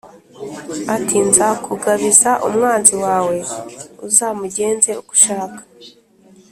ati ‘Nzakugabiza umwanzi wawe uzamugenze uko ushaka.’